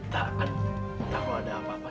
tak kan tak mau ada apa apa